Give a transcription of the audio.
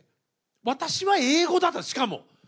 私は英語だったんです、しかも。